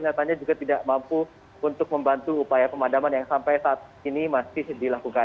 nyatanya juga tidak mampu untuk membantu upaya pemadaman yang sampai saat ini masih dilakukan